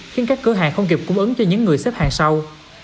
khiến các cửa hàng không kịp cung ứng cho những người xếp hàng sau